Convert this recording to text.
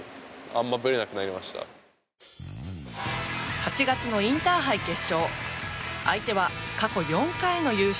８月のインターハイ決勝。